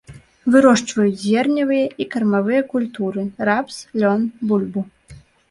Вырошчваюць зерневыя і кармавыя культуры, рапс, лён, бульбу.